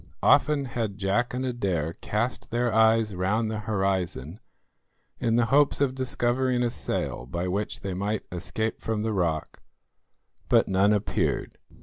Often had Jack and Adair cast their eyes round the horizon in the hopes of discovering a sail by which they might escape from the rock, but none appeared.